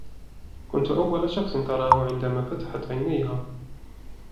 كنت أوّلَ شخْصٍ تراهُ عندما فتحتْ عَينيْها.